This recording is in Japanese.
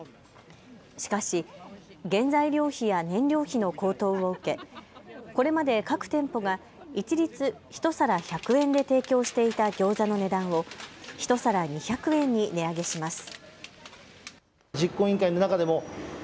しかし原材料費や燃料費の高騰を受け、これまで各店舗が一律１皿１００円で提供していたギョーザの値段を１皿２００円に値上げします。